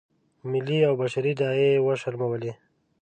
ملي او بشري داعیې یې وشرمولې.